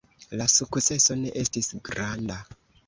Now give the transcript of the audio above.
La sukceso ne estis granda.